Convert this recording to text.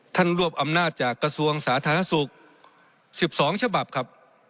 รวบอำนาจจากกระทรวงสาธารณสุข๑๒ฉบับครับ